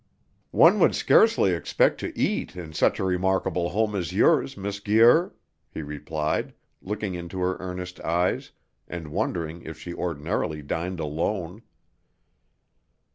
"One would scarcely expect to eat in such a remarkable home as yours, Miss Guir," he replied, looking into her earnest eyes, and wondering if she ordinarily dined alone.